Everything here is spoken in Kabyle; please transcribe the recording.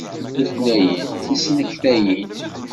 Tutlayin d tisneknayin.